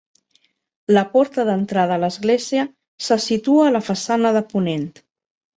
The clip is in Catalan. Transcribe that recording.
La porta d'entrada a l'església se situa a la façana de ponent.